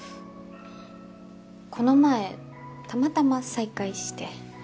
この前たまたま再会して。